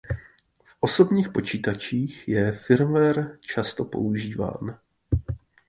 V osobních počítačích je firmware často používán.